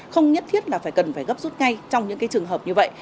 không nhất thiết là phải cần phải gấp rút ngay trong những trường hợp như vậy